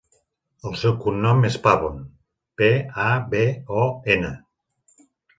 El seu cognom és Pabon: pe, a, be, o, ena.